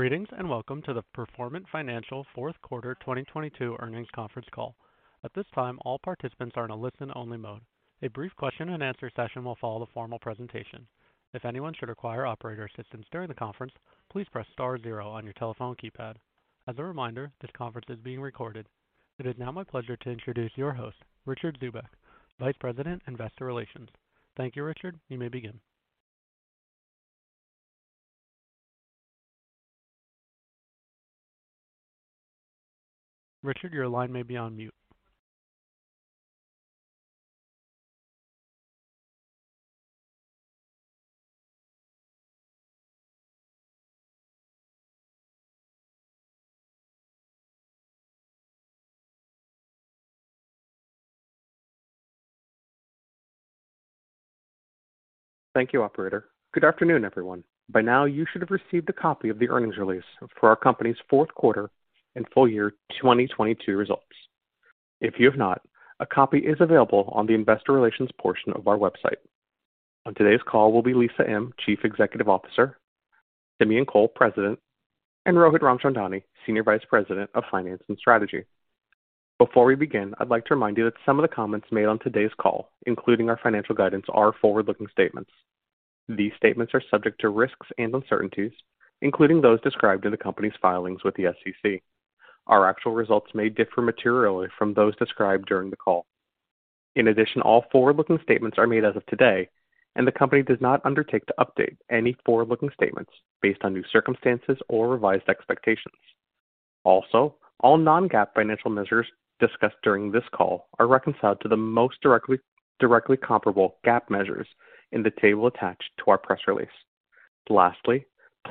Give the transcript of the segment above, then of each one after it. Greetings, welcome to the Performant Financial fourth quarter 2022 earnings conference call. At this time, all participants are in a listen-only mode. A brief question and answer session will follow the formal presentation. If anyone should require operator assistance during the conference, please press star zero on your telephone keypad. As a reminder, this conference is being recorded. It is now my pleasure to introduce your host, Richard Zubek, Vice President, Investor Relations. Thank you, Richard. You may begin. Richard, your line may be on mute. Thank you, operator. Good afternoon, everyone. By now, you should have received a copy of the earnings release for our company's fourth quarter and full year 2022 results. If you have not, a copy is available on the investor relations portion of our website. On today's call will be Lisa Im, Chief Executive Officer, Simeon Kohl, President, and Rohit Ramchandani, Senior Vice President of Finance and Strategy. Before we begin, I'd like to remind you that some of the comments made on today's call, including our financial guidance, are forward-looking statements. These statements are subject to risks and uncertainties, including those described in the company's filings with the SEC. Our actual results may differ materially from those described during the call. In addition, all forward-looking statements are made as of today, and the company does not undertake to update any forward-looking statements based on new circumstances or revised expectations. All Non-GAAP financial measures discussed during this call are reconciled to the most directly comparable GAAP measures in the table attached to our press release.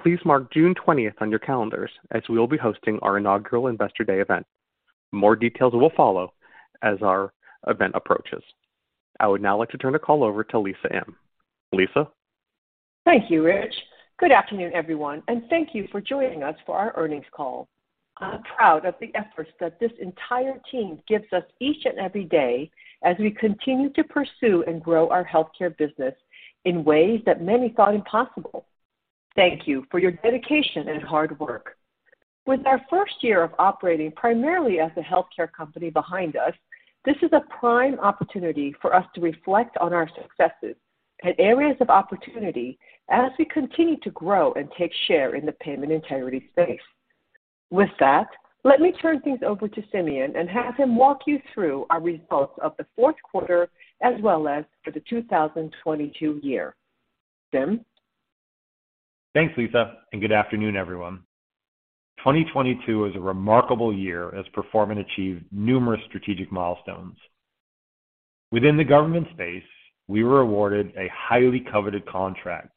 Please mark June 20th on your calendars as we will be hosting our inaugural Investor Day event. More details will follow as our event approaches. I would now like to turn the call over to Lisa Im. Lisa. Thank you, Rich. Good afternoon, everyone, and thank you for joining us for our earnings call. I'm proud of the efforts that this entire team gives us each and every day as we continue to pursue and grow our healthcare business in ways that many thought impossible. Thank you for your dedication and hard work. With our first year of operating primarily as a healthcare company behind us, this is a prime opportunity for us to reflect on our successes and areas of opportunity as we continue to grow and take share in the payment integrity space. With that, let me turn things over to Simeon and have him walk you through our results of the fourth quarter as well as for the 2022 year. Simeon? Thanks, Lisa. Good afternoon, everyone. 2022 was a remarkable year as Performant achieved numerous strategic milestones. Within the government space, we were awarded a highly coveted contract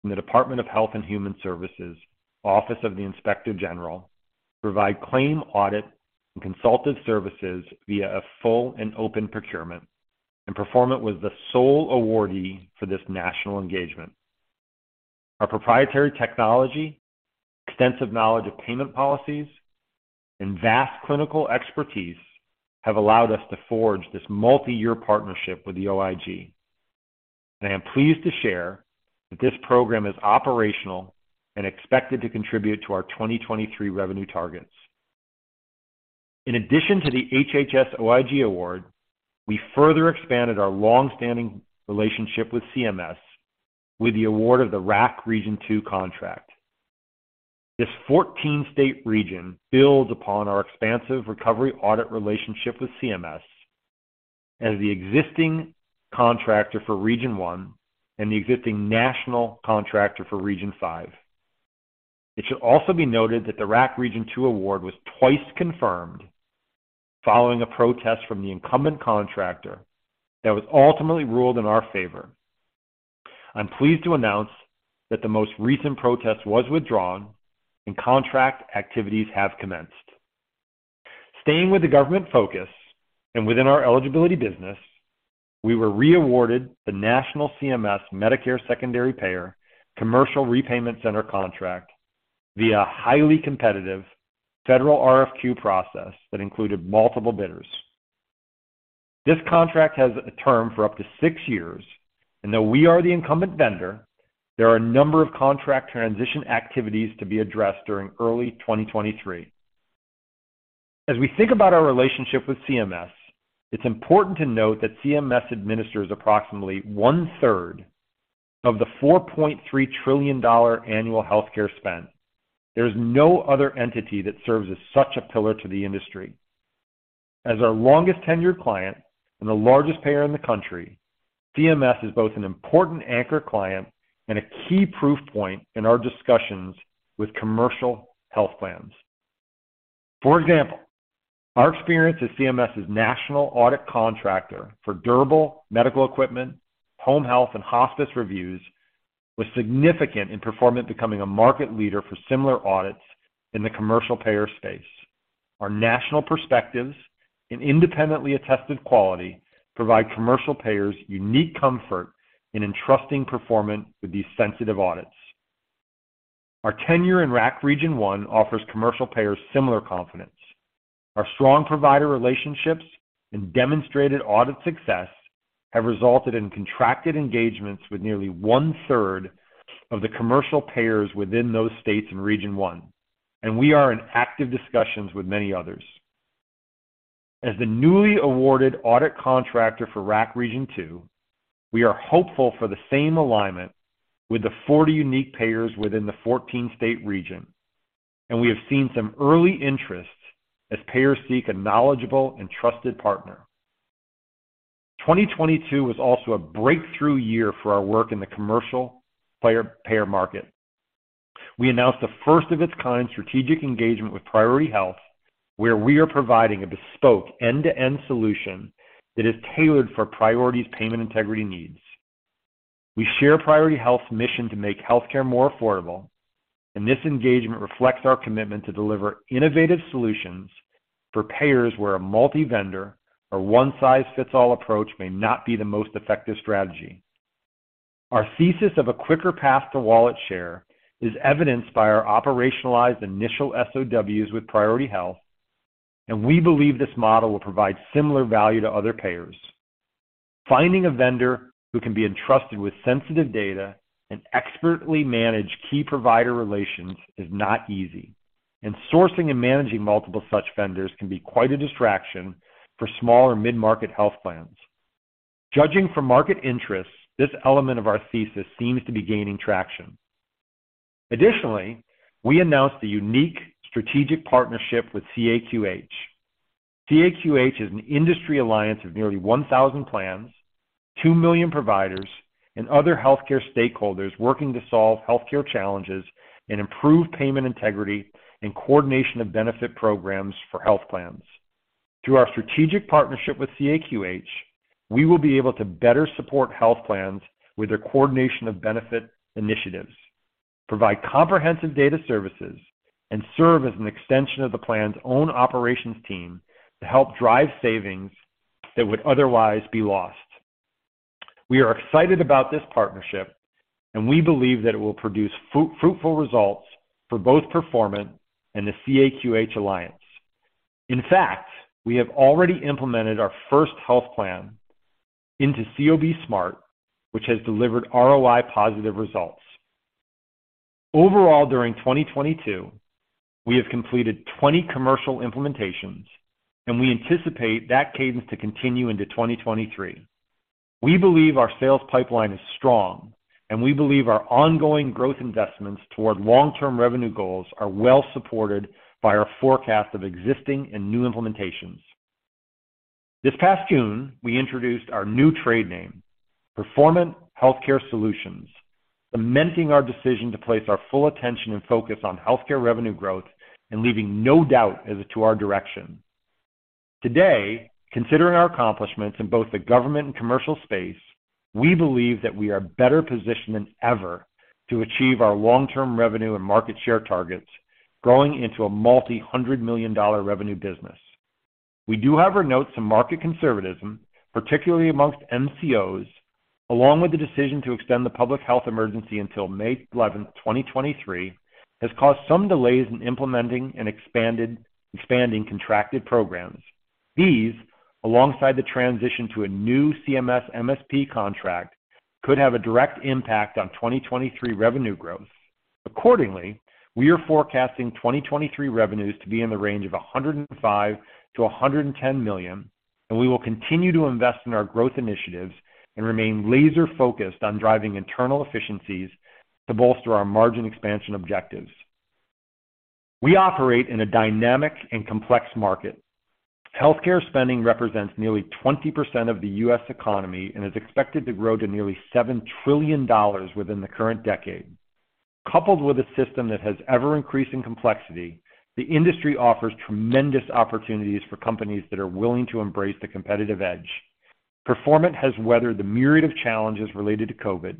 from the Department of Health and Human Services, Office of the Inspector General to provide claim audit and consultative services via a full and open procurement. Performant was the sole awardee for this national engagement. Our proprietary technology, extensive knowledge of payment policies, and vast clinical expertise have allowed us to forge this multi-year partnership with the OIG. I am pleased to share that this program is operational and expected to contribute to our 2023 revenue targets. In addition to the HHS OIG award, we further expanded our long-standing relationship with CMS with the award of the RAC Region 2 contract. This 14-state region builds upon our expansive recovery audit relationship with CMS as the existing contractor for Region 1 and the existing national contractor for Region 5. It should also be noted that the RAC Region 2 award was twice confirmed following a protest from the incumbent contractor that was ultimately ruled in our favor. I'm pleased to announce that the most recent protest was withdrawn and contract activities have commenced. Staying with the government focus and within our eligibility business, we were re-awarded the national CMS Medicare Secondary Payer Commercial Repayment Center contract via highly competitive federal RFQ process that included multiple bidders. This contract has a term for up to six years, and though we are the incumbent vendor, there are a number of contract transition activities to be addressed during early 2023. As we think about our relationship with CMS, it's important to note that CMS administers approximately 1/3 of the $4.3 trillion annual healthcare spend. There's no other entity that serves as such a pillar to the industry. As our longest-tenured client and the largest payer in the country, CMS is both an important anchor client and a key proof point in our discussions with commercial health plans. For example, our experience as CMS's national audit contractor for durable medical equipment, home health, and hospice reviews was significant in Performant becoming a market leader for similar audits in the commercial payer space. Our national perspectives and independently attested quality provide commercial payers unique comfort in entrusting Performant with these sensitive audits. Our tenure in RAC Region 1 offers commercial payers similar confidence. Our strong provider relationships and demonstrated audit success have resulted in contracted engagements with nearly 1/3 of the commercial payers within those states in Region 1. We are in active discussions with many others. As the newly awarded audit contractor for RAC Region 2, we are hopeful for the same alignment with the 40 unique payers within the 14-state region. We have seen some early interest as payers seek a knowledgeable and trusted partner. 2022 was also a breakthrough year for our work in the commercial payer market. We announced the first of its kind strategic engagement with Priority Health, where we are providing a bespoke end-to-end solution that is tailored for Priority's payment integrity needs. We share Priority Health's mission to make healthcare more affordable, and this engagement reflects our commitment to deliver innovative solutions for payers where a multi-vendor or one-size-fits-all approach may not be the most effective strategy. Our thesis of a quicker path to wallet share is evidenced by our operationalized initial SOWs with Priority Health, and we believe this model will provide similar value to other payers. Finding a vendor who can be entrusted with sensitive data and expertly manage key provider relations is not easy. Sourcing and managing multiple such vendors can be quite a distraction for small or mid-market health plans. Judging from market interest, this element of our thesis seems to be gaining traction. We announced the unique strategic partnership with CAQH. CAQH is an industry alliance of nearly 1,000 plans, two million providers, and other healthcare stakeholders working to solve healthcare challenges and improve payment integrity and coordination of benefits programs for health plans. Through our strategic partnership with CAQH, we will be able to better support health plans with their coordination of benefits initiatives, provide comprehensive data services, and serve as an extension of the plan's own operations team to help drive savings that would otherwise be lost. We are excited about this partnership. We believe that it will produce fruitful results for both Performant and the CAQH Alliance. In fact, we have already implemented our first health plan into COB Smart, which has delivered ROI-positive results. Overall, during 2022, we have completed 20 commercial implementations. We anticipate that cadence to continue into 2023. We believe our sales pipeline is strong. We believe our ongoing growth investments toward long-term revenue goals are well supported by our forecast of existing and new implementations. This past June, we introduced our new trade name, Performant Healthcare Solutions, cementing our decision to place our full attention and focus on healthcare revenue growth and leaving no doubt as to our direction. Today, considering our accomplishments in both the government and commercial space, we believe that we are better positioned than ever to achieve our long-term revenue and market share targets, growing into a multi-hundred-million-dollar revenue business. We do have our notes to market conservatism, particularly amongst MCOs, along with the decision to extend the public health emergency until May 11, 2023, has caused some delays in implementing and expanding contracted programs. These, alongside the transition to a new CMS MSP contract, could have a direct impact on 2023 revenue growth. Accordingly, we are forecasting 2023 revenues to be in the range of $105 million-$110 million, and we will continue to invest in our growth initiatives and remain laser-focused on driving internal efficiencies to bolster our margin expansion objectives. We operate in a dynamic and complex market. Healthcare spending represents nearly 20% of the U.S. economy and is expected to grow to nearly $7 trillion within the current decade. Coupled with a system that has ever-increasing complexity, the industry offers tremendous opportunities for companies that are willing to embrace the competitive edge. Performant has weathered the myriad of challenges related to COVID,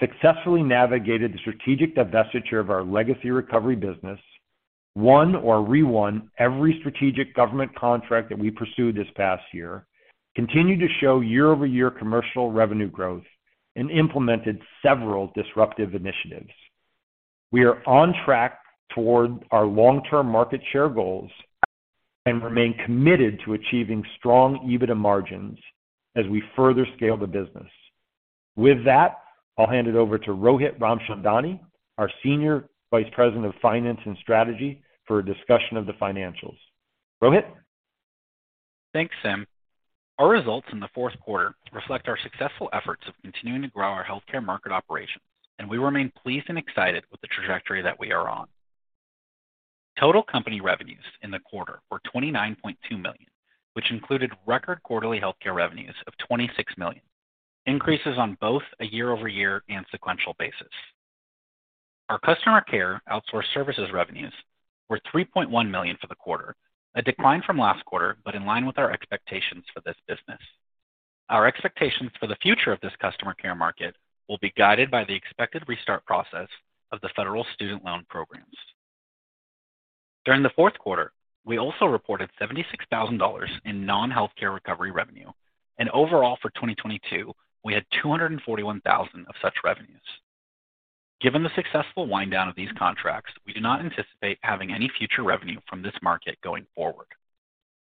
successfully navigated the strategic divestiture of our legacy recovery business, won or re-won every strategic government contract that we pursued this past year, continued to show year-over-year commercial revenue growth, and implemented several disruptive initiatives. We are on track toward our long-term market share goals and remain committed to achieving strong EBITDA margins as we further scale the business. With that, I'll hand it over to Rohit Ramchandani, our Senior Vice President of Finance and Strategy, for a discussion of the financials. Rohit? Thanks, Simeon. Our results in the fourth quarter reflect our successful efforts of continuing to grow our healthcare market operations, and we remain pleased and excited with the trajectory that we are on. Total company revenues in the quarter were $29.2 million, which included record quarterly healthcare revenues of $26 million, increases on both a year-over-year and sequential basis. Our customer care outsource services revenues were $3.1 million for the quarter, a decline from last quarter, but in line with our expectations for this business. Our expectations for the future of this customer care market will be guided by the expected restart process of the federal student loan programs. During the fourth quarter, we also reported $76,000 in non-healthcare recovery revenue. Overall for 2022, we had $241,000 of such revenues. Given the successful wind down of these contracts, we do not anticipate having any future revenue from this market going forward.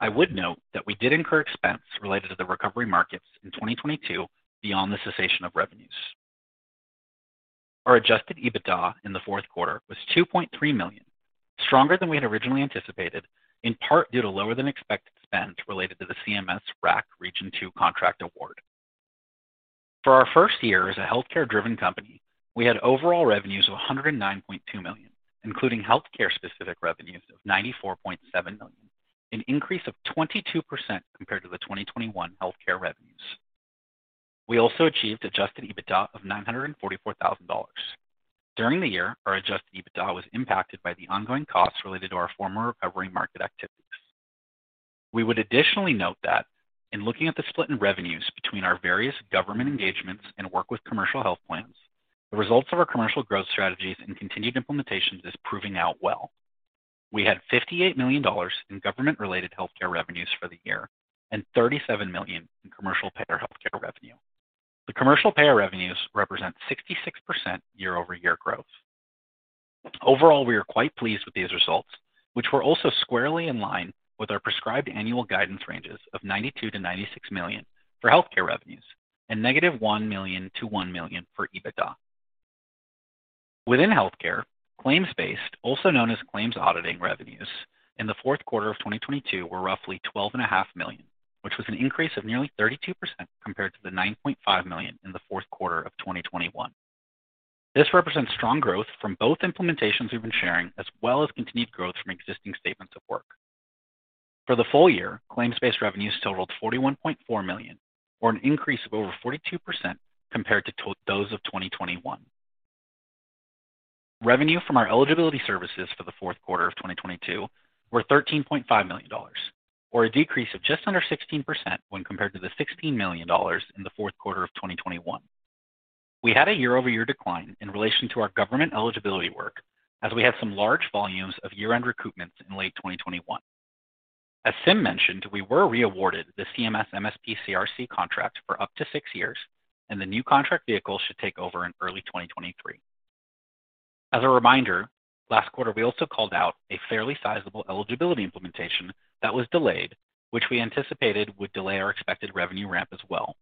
I would note that we did incur expense related to the recovery markets in 2022 beyond the cessation of revenues. Our adjusted EBITDA in the fourth quarter was $2.3 million, stronger than we had originally anticipated, in part due to lower than expected spend related to the CMS RAC Region 2 contract award. For our first year as a healthcare-driven company, we had overall revenues of $109.2 million, including healthcare-specific revenues of $94.7 million, an increase of 22% compared to the 2021 healthcare revenues. We also achieved adjusted EBITDA of $944,000. During the year, our adjusted EBITDA was impacted by the ongoing costs related to our former recovery market activities. We would additionally note that in looking at the split in revenues between our various government engagements and work with commercial health plans, the results of our commercial growth strategies and continued implementations is proving out well. We had $58 million in government-related healthcare revenues for the year and $37 million in commercial payer healthcare revenue. The commercial payer revenues represent 66% year-over-year growth. Overall, we are quite pleased with these results, which were also squarely in line with our prescribed annual guidance ranges of $92 million-$96 million for healthcare revenues and -$1 million-$1 million for EBITDA. Within healthcare, claims-based, also known as claims auditing revenues, in the fourth quarter of 2022 were roughly $12 and a half million, which was an increase of nearly 32% compared to the $9.5 million in the fourth quarter of 2021. This represents strong growth from both implementations we've been sharing as well as continued growth from existing statements of work. For the full year, claims-based revenues totaled $41.4 million, or an increase of over 42% compared to those of 2021. Revenue from our eligibility services for the fourth quarter of 2022 were $13.5 million dollars or a decrease of just under 16% when compared to the $16 million dollars in the fourth quarter of 2021. We had a year-over-year decline in relation to our government eligibility work as we had some large volumes of year-end recoupments in late 2021. As Sim mentioned, we were re-awarded the CMS MSP CRC contract for up to 6 years, and the new contract vehicle should take over in early 2023. As a reminder, last quarter we also called out a fairly sizable eligibility implementation that was delayed, which we anticipated would delay our expected revenue ramp as well.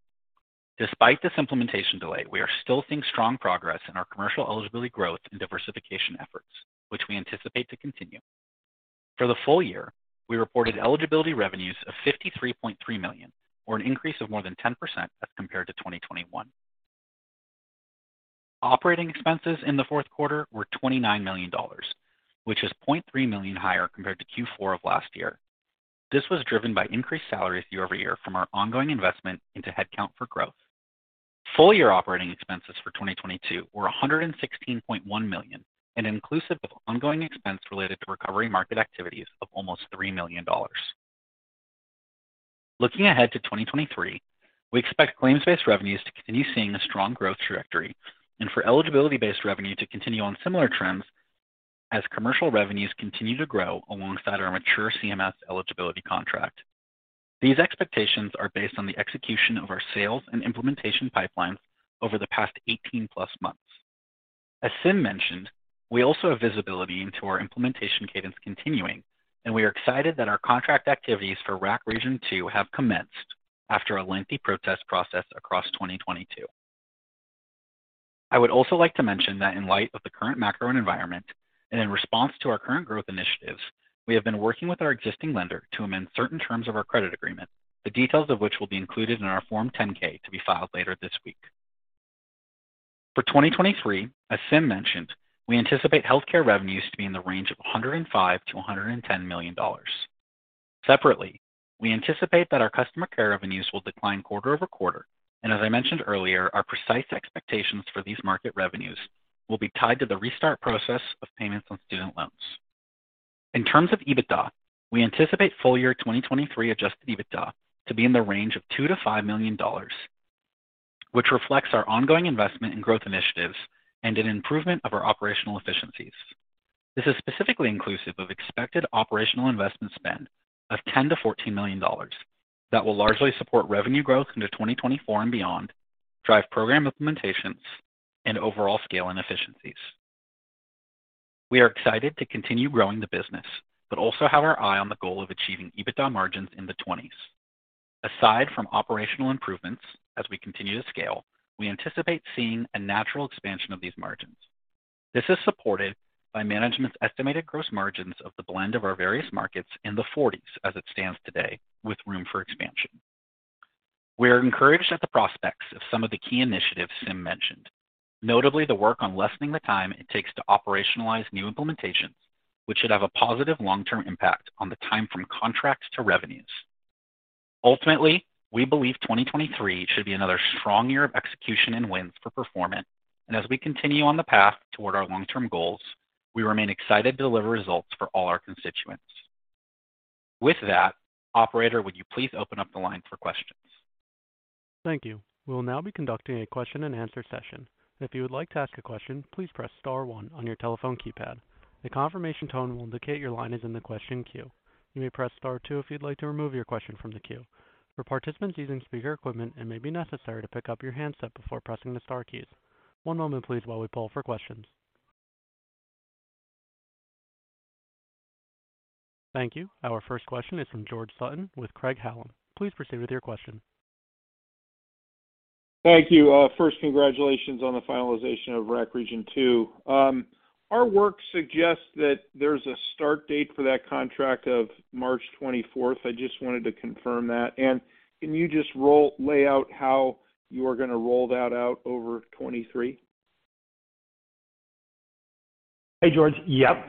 Despite this implementation delay, we are still seeing strong progress in our commercial eligibility growth and diversification efforts, which we anticipate to continue. For the full year, we reported eligibility revenues of $53.3 million, or an increase of more than 10% as compared to 2021. Operating expenses in the fourth quarter were $29 million, which is $0.3 million higher compared to Q4 of last year. This was driven by increased salaries year-over-year from our ongoing investment into headcount for growth. Full year operating expenses for 2022 were $116.1 million and inclusive of ongoing expense related to recovery market activities of almost $3 million. Looking ahead to 2023, we expect claims-based revenues to continue seeing a strong growth trajectory and for eligibility-based revenue to continue on similar trends as commercial revenues continue to grow alongside our mature CMS eligibility contract. These expectations are based on the execution of our sales and implementation pipelines over the past 18+ months. As Sim mentioned, we also have visibility into our implementation cadence continuing, and we are excited that our contract activities for RAC Region 2 have commenced after a lengthy protest process across 2022. I would also like to mention that in light of the current macro environment and in response to our current growth initiatives, we have been working with our existing lender to amend certain terms of our credit agreement, the details of which will be included in our Form 10-K to be filed later this week. For 2023, as Sim mentioned, we anticipate healthcare revenues to be in the range of $105 million-$110 million. Separately, we anticipate that our customer care revenues will decline quarter-over-quarter, and as I mentioned earlier, our precise expectations for these market revenues will be tied to the restart process of payments on student loans. In terms of EBITDA, we anticipate full year 2023 adjusted EBITDA to be in the range of $2 million-$5 million, which reflects our ongoing investment in growth initiatives and an improvement of our operational efficiencies. This is specifically inclusive of expected operational investment spend of $10 million-$14 million that will largely support revenue growth into 2024 and beyond, drive program implementations, and overall scale and efficiencies. We are excited to continue growing the business, but also have our eye on the goal of achieving EBITDA margins in the 20s. Aside from operational improvements as we continue to scale, we anticipate seeing a natural expansion of these margins. This is supported by management's estimated gross margins of the blend of our various markets in the 40s as it stands today with room for expansion. We are encouraged at the prospects of some of the key initiatives Sim mentioned, notably the work on lessening the time it takes to operationalize new implementations, which should have a positive long-term impact on the time from contracts to revenues. Ultimately, we believe 2023 should be another strong year of execution and wins for Performant, and as we continue on the path toward our long-term goals, we remain excited to deliver results for all our constituents. With that, operator, would you please open up the line for questions? Thank you. We'll now be conducting a question and answer session. If you would like to ask a question, please press star one on your telephone keypad. A confirmation tone will indicate your line is in the question queue. You may press star two if you'd like to remove your question from the queue. For participants using speaker equipment, it may be necessary to pick up your handset before pressing the star keys. One moment please while we poll for questions. Thank you. Our first question is from George Sutton with Craig-Hallum. Please proceed with your question. Thank you. first, congratulations on the finalization of RAC Region 2. our work suggests that there's a start date for that contract of March 24th. I just wanted to confirm that. Can you just lay out how you are gonna roll that out over 2023? Hey, George. Yep.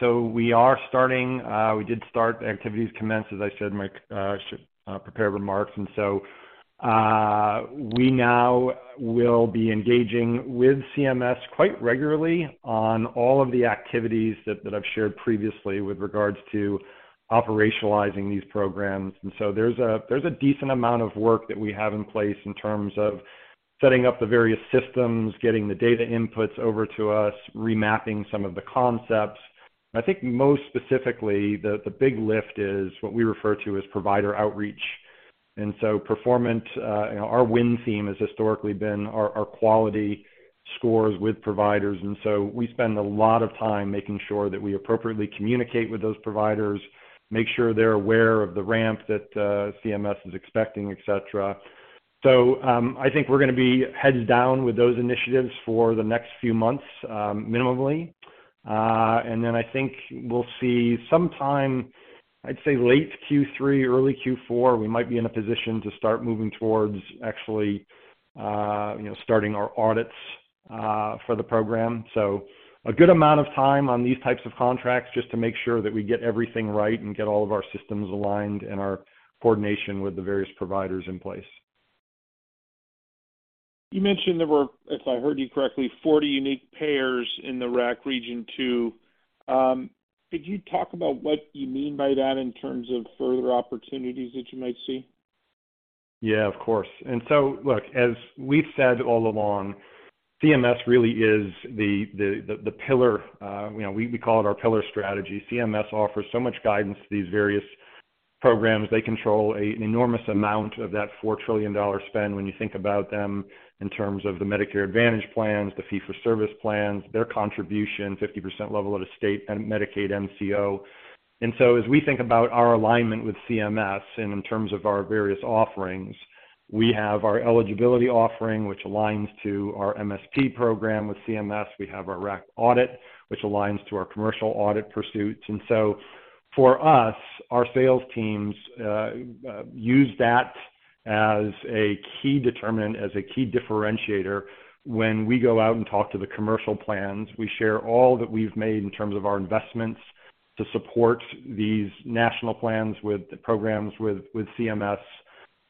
So we are starting, we did start, activities commenced, as I said in my prepared remarks. We now will be engaging with CMS quite regularly on all of the activities that I've shared previously with regards to operationalizing these programs. There's a decent amount of work that we have in place in terms of setting up the various systems, getting the data inputs over to us, remapping some of the concepts. I think most specifically, the big lift is what we refer to as provider outreach. Performant, you know, our win theme has historically been our quality scores with providers. We spend a lot of time making sure that we appropriately communicate with those providers, make sure they're aware of the ramp that CMS is expecting, et cetera. I think we're gonna be heads down with those initiatives for the next few months, minimally. Then I think we'll see sometime, I'd say late Q3, early Q4, we might be in a position to start moving towards actually, you know, starting our audits for the program. A good amount of time on these types of contracts just to make sure that we get everything right and get all of our systems aligned and our coordination with the various providers in place. You mentioned there were, if I heard you correctly, 40 unique payers in the RAC Region 2. Could you talk about what you mean by that in terms of further opportunities that you might see? Yeah, of course. Look, as we've said all along, CMS really is the pillar, you know, we call it our pillar strategy. CMS offers so much guidance to these various programs. They control an enormous amount of that $4 trillion spend when you think about them in terms of the Medicare Advantage plans, the fee-for-service plans, their contribution, 50% level at a state and Medicaid MCO. As we think about our alignment with CMS and in terms of our various offerings, we have our eligibility offering, which aligns to our MSP program with CMS. We have our RAC audit, which aligns to our commercial audit pursuits. For us, our sales teams use that as a key determinant, as a key differentiator. When we go out and talk to the commercial plans, we share all that we've made in terms of our investments to support these national plans with the programs with CMS,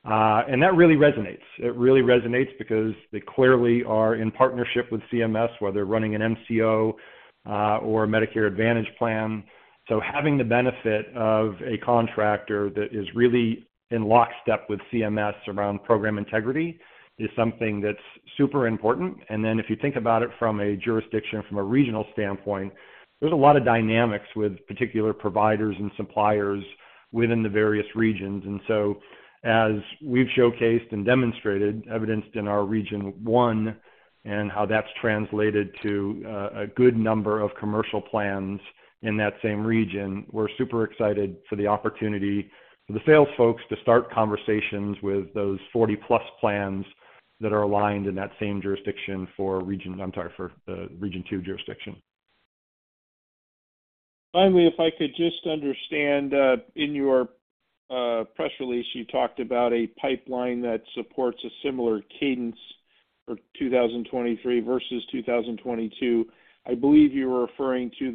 that really resonates. It really resonates because they clearly are in partnership with CMS, whether running an MCO or a Medicare Advantage plan. Having the benefit of a contractor that is really in lockstep with CMS around payment integrity is something that's super important. If you think about it from a jurisdiction, from a regional standpoint, there's a lot of dynamics with particular providers and suppliers within the various regions. As we've showcased and demonstrated, evidenced in our Region 1 and how that's translated to a good number of commercial plans in that same region, we're super excited for the opportunity for the sales folks to start conversations with those 40+ plans that are aligned in that same jurisdiction for Region 2 jurisdiction. Finally, if I could just understand, in your press release, you talked about a pipeline that supports a similar cadence for 2023 versus 2022. I believe you were referring to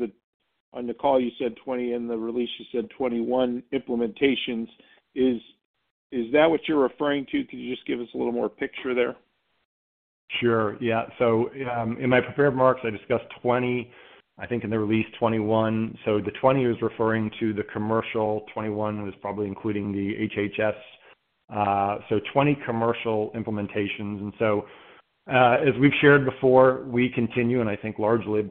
On the call you said 20 implementations, in the release you said 21 implementations. Is that what you're referring to? Could you just give us a little more picture there? Sure. Yeah. In my prepared remarks, I discussed 20 implementations, I think in the release 21 implementations. The 20 implementations was referring to the commercial, 21 implementations was probably including the HHS. 20 commercial implementations. As we've shared before, we continue, and I think largely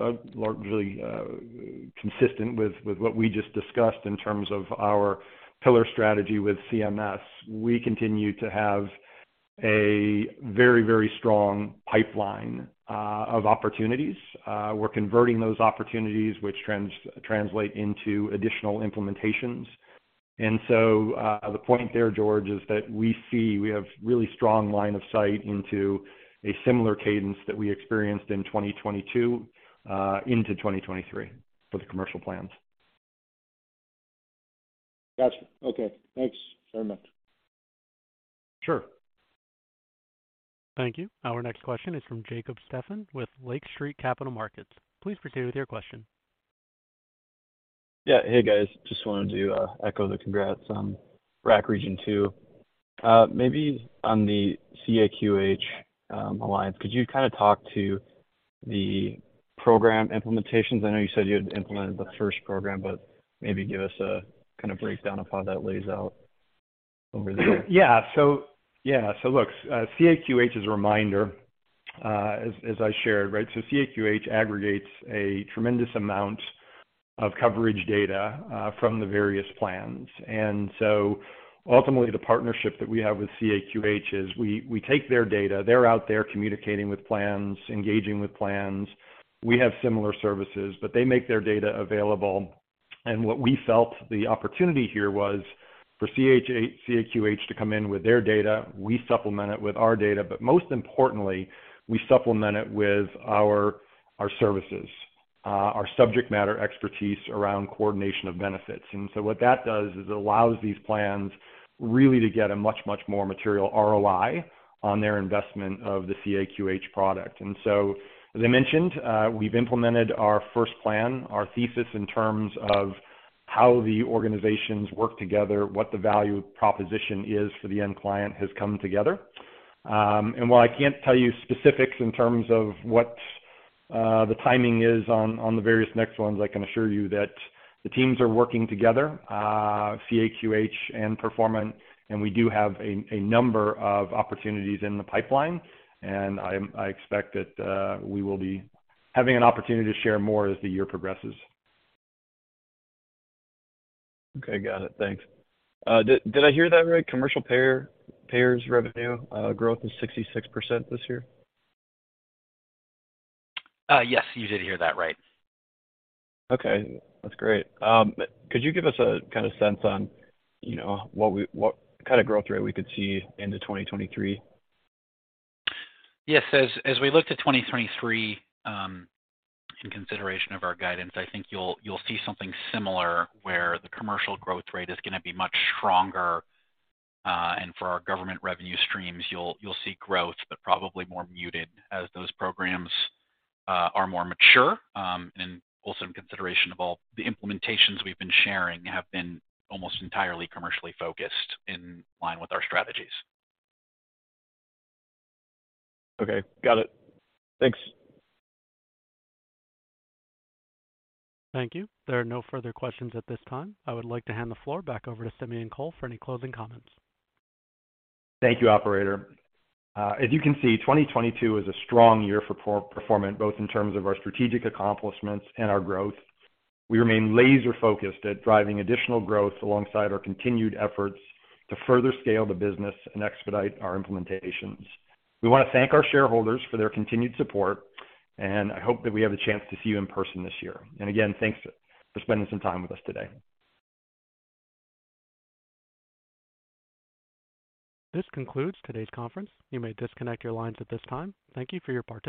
consistent with what we just discussed in terms of our pillar strategy with CMS, we continue to have a very, very strong pipeline of opportunities. We're converting those opportunities which translate into additional implementations. The point there, George, is that we see we have really strong line of sight into a similar cadence that we experienced in 2022 into 2023 for the commercial plans. Gotcha. Okay. Thanks very much. Sure. Thank you. Our next question is from Jacob Stephan with Lake Street Capital Markets. Please proceed with your question. Yeah. Hey, guys, just wanted to echo the congrats on RAC Region 2. Maybe on the CAQH alliance, could you kinda talk to the program implementations? I know you said you had implemented the first program, but maybe give us a kinda breakdown of how that lays out. Look, CAQH is a reminder, as I shared, right? CAQH aggregates a tremendous amount of coverage data from the various plans. Ultimately, the partnership that we have with CAQH is we take their data. They're out there communicating with plans, engaging with plans. We have similar services, but they make their data available. What we felt the opportunity here was for CAQH to come in with their data. We supplement it with our data, most importantly, we supplement it with our services, our subject matter expertise around coordination of benefits. What that does is it allows these plans really to get a much more material ROI on their investment of the CAQH product. As I mentioned, we've implemented our first plan, our thesis in terms of how the organizations work together, what the value proposition is for the end client has come together. While I can't tell you specifics in terms of what the timing is on the various next ones, I can assure you that the teams are working together, CAQH and Performant, and we do have a number of opportunities in the pipeline. I expect that we will be having an opportunity to share more as the year progresses. Okay, got it. Thanks. Did I hear that right? Commercial payers revenue, growth is 66% this year? Yes, you did hear that right. Okay, that's great. could you give us a kinda sense on, you know, what kinda growth rate we could see into 2023? Yes. As we look to 2023, in consideration of our guidance, I think you'll see something similar where the commercial growth rate is gonna be much stronger, and for our government revenue streams, you'll see growth, but probably more muted as those programs are more mature. Also in consideration of all the implementations we've been sharing have been almost entirely commercially focused in line with our strategies. Okay, got it. Thanks. Thank you. There are no further questions at this time. I would like to hand the floor back over to Simeon Kohl for any closing comments. Thank you, operator. As you can see, 2022 is a strong year for Performant, both in terms of our strategic accomplishments and our growth. We remain laser-focused at driving additional growth alongside our continued efforts to further scale the business and expedite our implementations. We wanna thank our shareholders for their continued support, and I hope that we have a chance to see you in person this year. Again, thanks for spending some time with us today. This concludes today's conference. You may disconnect your lines at this time. Thank you for your participation.